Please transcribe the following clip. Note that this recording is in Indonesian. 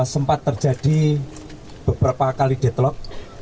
sempat terjadi beberapa kali deadlock